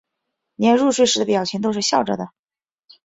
连入睡的表情都是笑着的